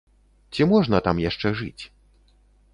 Ці можна там яшчэ жыць?